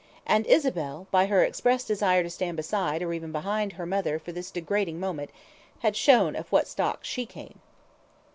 And Isabel, by her expressed desire to stand beside, or even behind, her mother for this degrading moment had showed of what stock she came.